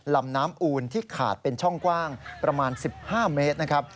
ลำน้ำอูนที่ขาดเป็นช่องกว้างประมาณ๑๕เมตรนะครับ